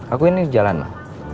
aku ini jalan ma